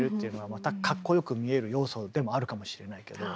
またかっこよく見える要素でもあるかもしれないけど。